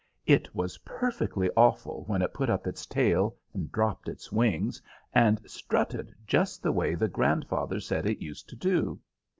It was perfectly awful when it put up its tail, and dropped its wings, and strutted just the way the grandfather said it used to do.